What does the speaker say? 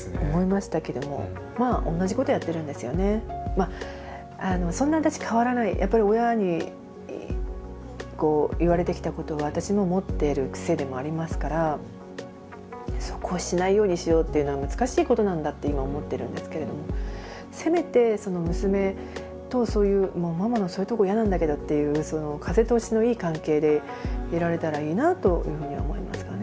まあそんな私変わらないやっぱり親に言われてきたことは私の持ってる癖でもありますからこうしないようにしようっていうのは難しいことなんだって今思ってるんですけれどもせめて娘と「ママのそういうとこ嫌なんだけど」っていう風通しのいい関係でいられたらいいなというふうに思いますかね。